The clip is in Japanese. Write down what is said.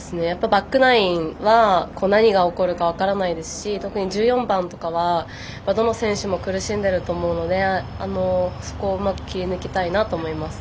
バックナインは何が起こるか分からないですし特に１４番とかはどの選手も苦しんでると思うのでそこをうまく切り抜けたいなと思います。